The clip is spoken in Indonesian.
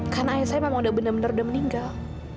karena ayah saya memang udah benar benar udah meninggal